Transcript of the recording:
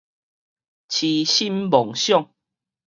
癡心妄想